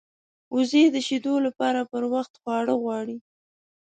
وزې د شیدو لپاره پر وخت خواړه غواړي